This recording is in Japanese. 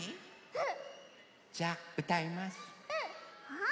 うん。